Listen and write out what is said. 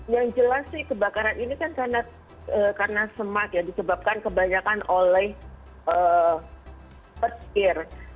yang jelas sih kebakaran ini kan karena semak ya disebabkan kebanyakan oleh petir